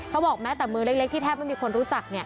เขาบอกแม้แต่มือเล็กที่แทบไม่มีคนรู้จัก